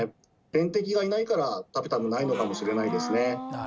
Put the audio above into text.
天敵がいないからタペタムないのかもしれないですね。